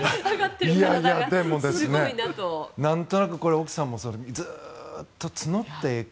でも、なんとなく奥さんもずっと募っていく。